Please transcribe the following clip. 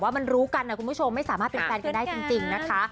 มันรู้กันนะคุณผู้ชมไม่สามารถเป็นแฟนกันได้จริงนะคะ